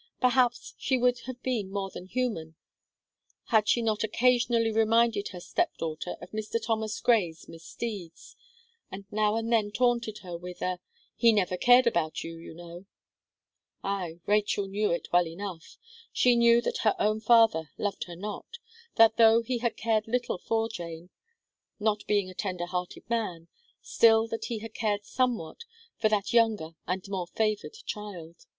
Perhaps, she would have been more than human, had she not occasionally reminded her step daughter of Mr. Thomas Gray's misdeeds, and now and then taunted her with a "He never cared about you you know." Aye Rachel knew it well enough. She knew that her own father loved her not that though he had cared little for Jane, not being a tender hearted man, still that he had cared somewhat, for that younger, and more favoured child.